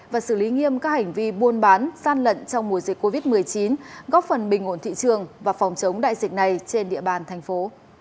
và xử lý nghiêm các hành vi buôn bán gian lận trong mùa dịch covid một mươi chín góp phần bình ổn thị trường và phòng chống đại dịch này trên địa bàn thành phố